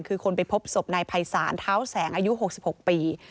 คือคนไปพบศพนายภัยศาลเท้าแสงอายุ๖๖ปี